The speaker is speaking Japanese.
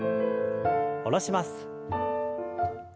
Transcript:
下ろします。